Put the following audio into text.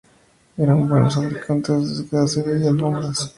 Eran buenos fabricantes de cestería y de alfombras.